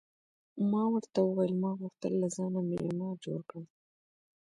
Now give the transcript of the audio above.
ما ورته وویل: ما غوښتل له ځانه معمار جوړ کړم.